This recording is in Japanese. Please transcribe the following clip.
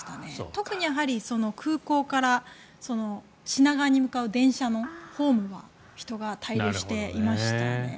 特に空港から品川に向かう電車のホームは人が滞留していましたね。